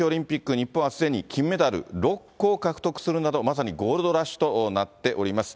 日本はすでに金メダル６個を獲得するなど、まさにゴールドラッシュとなっております。